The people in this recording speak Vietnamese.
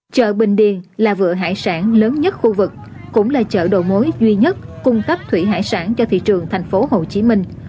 chợ bình điền là vựa hải sản cho thị trường thành phố hồ chí minh